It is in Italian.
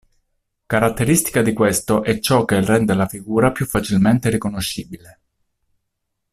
Caratteristica di questo è ciò che rende la figura più facilmente riconoscibile.